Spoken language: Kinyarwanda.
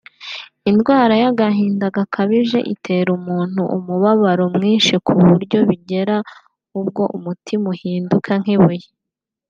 Indwara y’agahinda gakabije itera umuntu umubabaro mwinshi ku buryo bigera ubwo umutima uhinduka nk’ibuye